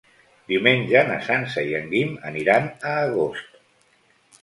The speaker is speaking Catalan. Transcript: Diumenge na Sança i en Guim aniran a Agost.